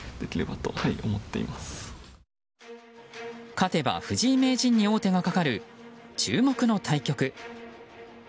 勝てば藤井名人に王手がかかる注目の対局。